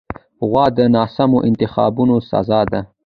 غول د ناسمو انتخابونو سزا ده.